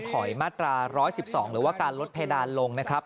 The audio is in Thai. มาตรา๑๑๒หรือว่าการลดเพดานลงนะครับ